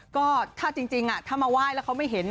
ก็ถ้าจริงถ้ามาไหว้แล้วเขาไม่เห็น